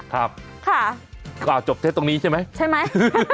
ค่ะจบเท็จตรงนี้ใช่ไหมใช่ไหม